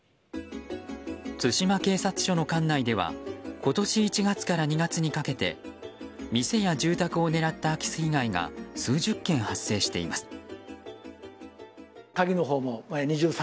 津島警察署の管内では今年１月から２月にかけて店や住宅を狙った空き巣被害が数十件発生しています。